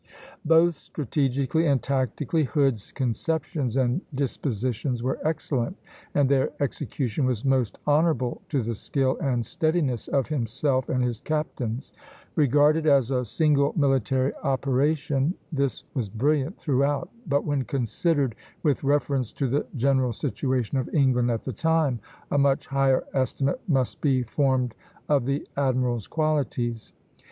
Both strategically and tactically Hood's conceptions and dispositions were excellent, and their execution was most honorable to the skill and steadiness of himself and his captains. Regarded as a single military operation, this was brilliant throughout; but when considered with reference to the general situation of England at the time, a much higher estimate must be formed of the admiral's qualities.